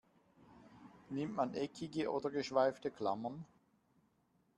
Nimmt man eckige oder geschweifte Klammern?